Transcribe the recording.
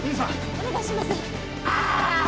お願いします